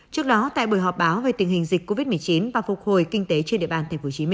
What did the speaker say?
trước đó tại buổi họp báo về tình hình dịch covid một mươi chín và phục hồi kinh tế trên địa bàn tp hcm